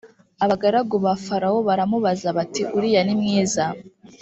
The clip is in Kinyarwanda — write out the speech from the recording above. abagaragu ba farawo baramubaza bati uriya nimwiza